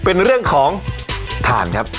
เป็นเรื่องของถ่านครับ